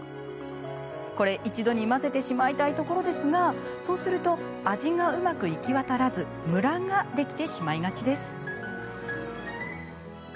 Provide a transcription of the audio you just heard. これ、一度に混ぜてしまいたいところですが味がうまく行き渡らずムラができてしまいがちです。